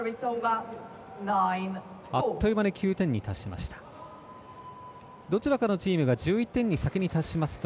あっという間に９点に達しました。